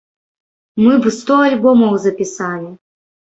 Мы б сто альбомаў запісалі.